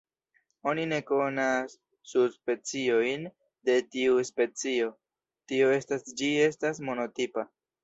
Oni ne konas subspeciojn de tiu specio, tio estas ĝi estas monotipa.